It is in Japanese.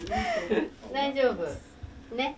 大丈夫。ね。